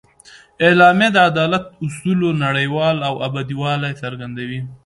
اعلامیه د عدالت اصولو نړیوال او ابدي والي څرګندوي.